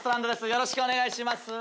よろしくお願いします。